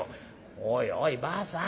「おいおいばあさん。